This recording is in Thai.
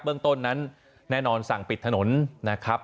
เรื่องต้นนั้นแน่นอนสั่งปิดถนนนะครับ